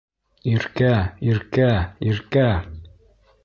Иркә, Иркә, Иркә...